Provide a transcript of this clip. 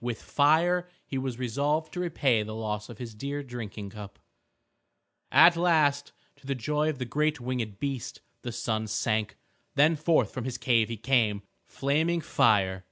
With fire he was resolved to repay the loss of his dear drinking cup. At last, to the joy of the great winged beast, the sun sank. Then forth from his cave he came, flaming fire.